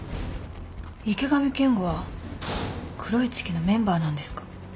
池上健吾は黒い月のメンバーなんですか？